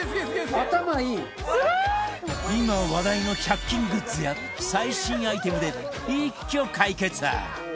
今話題の１００均グッズや最近アイテムで一挙解決！